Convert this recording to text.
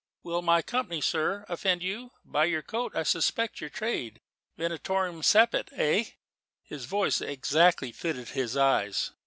"Will my company, sir, offend you? By your coat I suspect your trade: venatorem sapit hey?" His voice exactly fitted his eyes.